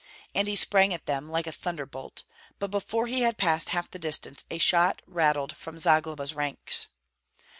And he sprang at them, like a thunderbolt. But before he had passed half the distance a shot rattled from Zagloba's ranks.